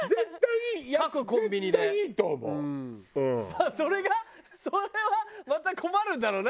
まあそれがそれはまた困るんだろうな。